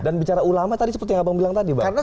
dan bicara ulama seperti yang abang bilang tadi